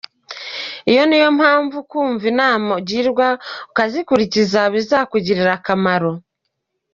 Iyi ni yo mpamvu kumva inama ugirwa ukazikurikiza bizakugirira akamaro.